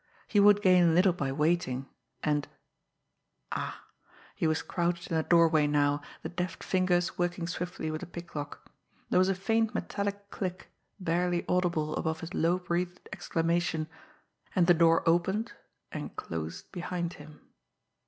He would gain little by waiting, and ah! He was crouched in the doorway now, the deft fingers working swiftly with the picklock. There was a faint metallic click, barely audible above his low breathed exclamation and the door opened and closed behind him.